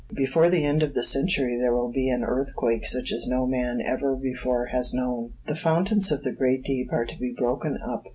Before the end of the century there will be an earthquake such as no man ever before has known. The fountains of the great deep are to be broken up.